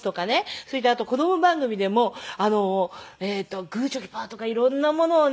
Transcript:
それからあと子供番組でも『グーチョキパー』とか色んなものをね